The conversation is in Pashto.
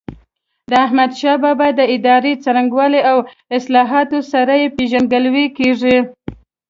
د احمدشاه بابا د ادارې څرنګوالي او اصلاحاتو سره یې پيژندګلوي کېږي.